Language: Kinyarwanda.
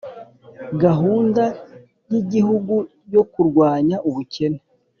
gahunda y'igihugu yo kurwanya ubukene